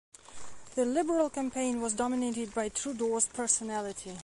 The Liberal campaign was dominated by Trudeau's personality.